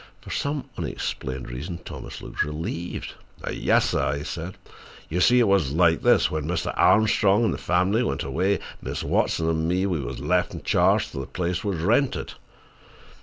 For some unexplained reason Thomas looked relieved. "Yas, sah," he said. "You see it were like this: When Mistah Armstrong and the fam'ly went away, Mis' Watson an' me, we was lef' in charge till the place was rented.